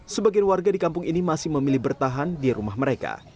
sebagian warga di kampung ini masih memilih bertahan di rumah mereka